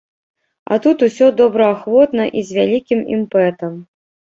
А тут усё добраахвотна і з вялікім імпэтам.